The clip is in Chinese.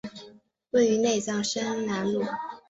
位于内藏山南麓。